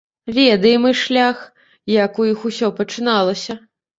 Ведаем іх шлях, як у іх усё пачыналася.